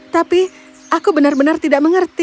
tapi aku benar benar tidak mengerti